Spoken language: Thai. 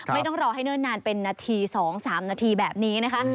ไม่ต้องรอให้เนิ่นนานเป็นนาที๒๓นาทีแบบนี้นะคะ